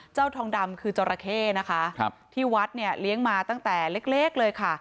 ทองดำคือจราเข้นะคะที่วัดเนี่ยเลี้ยงมาตั้งแต่เล็กเลยค่ะ